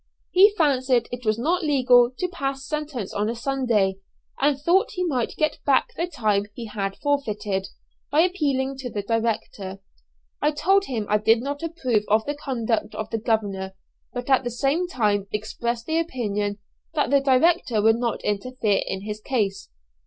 He fancied it was not legal to pass sentence on a Sunday, and thought he might get back the time he had forfeited, by appealing to the director. I told him I did not approve of the conduct of the governor, but at the same time expressed the opinion that the director would not interfere in his case.